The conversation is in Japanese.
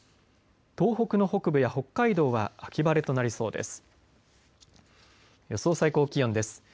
東北の北部や北海道は秋晴れとなりそうです。